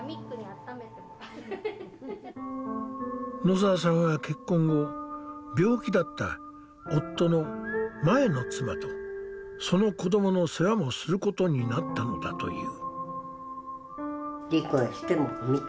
野澤さんは結婚後病気だった夫の前の妻とその子どもの世話もすることになったのだという。